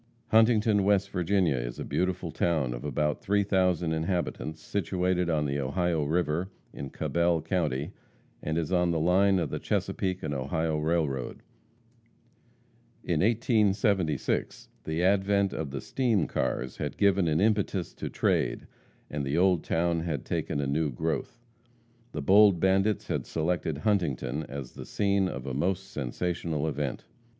Huntington, West Virginia, is a beautiful town of about 3,000 inhabitants, situated on the Ohio river, in Cabell county, and is on the line of the Chesapeake & Ohio Railroad. In 1876, the advent of the steam cars had given an impetus to trade, and the old town had taken a new growth. The bold bandits had selected Huntington as the scene of a most sensational event.